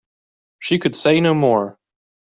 She could say no more.